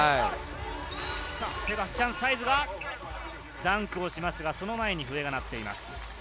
セバスチャン・サイズがダンクをしますが、その前に笛が鳴っています。